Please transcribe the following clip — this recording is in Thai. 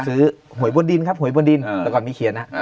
ซื้อหวยบนดินครับหวยบนดินแล้วก่อนมีเขียน